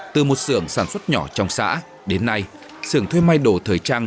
từ một xưởng sản xuất nhỏ trong xã đến nay xưởng thuê may đồ thời trang